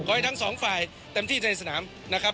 ให้ทั้งสองฝ่ายเต็มที่ในสนามนะครับ